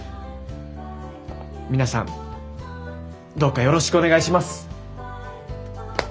皆さんどうかよろしくお願いします。